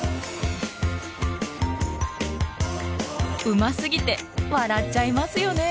うますぎて笑っちゃいますよね。